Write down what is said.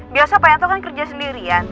biasa pak yanto kan kerja sendirian